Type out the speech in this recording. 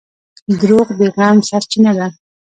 • دروغ د غم سرچینه ده.